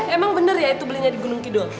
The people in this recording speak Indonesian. emang bener ya itu belinya di gunung kidul